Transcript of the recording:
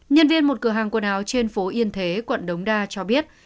nhân viên một cửa hàng quần áo trên phố yên thế quận đống đa cho biết